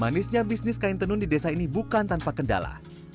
manisnya bisnis kain tenun di desa ini bukan tanpa kendala